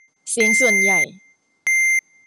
เสียงส่วนใหญ่